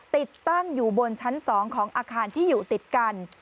ติดตั้งอยู่บนชั้น๒ของอาคารที่อยู่ติดกัน